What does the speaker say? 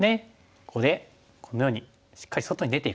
ここでこのようにしっかり外に出ていく。